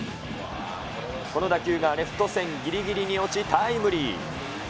この打球がレフト線ぎりぎりに落ち、タイムリー。